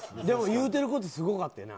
言うてることすごかったよな。